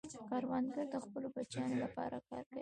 کروندګر د خپلو بچیانو لپاره کار کوي